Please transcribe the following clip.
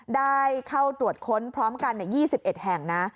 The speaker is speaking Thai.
ได้เข้าตรวจค้นพร้อมกัน๒๑แห่งนะ